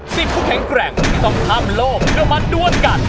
สิทธิ์คุกแข็งแกร่งที่ต้องข้ามโลกเพื่อมาด้วนกัน